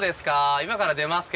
今から出ますけど。